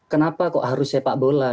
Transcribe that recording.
kenapa kok harus sepak bola